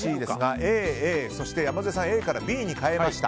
Ａ、Ａ山添さんＡからＢに変えました。